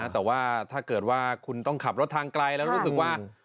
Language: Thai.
แต่ว่าถ้าเกิดว่าคุณต้องขับรถทางไกลแล้วรู้สึกว่า